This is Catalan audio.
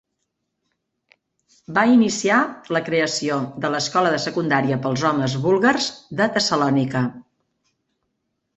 Va iniciar la creació de l'escola de secundària pels homes búlgars de Tessalònica.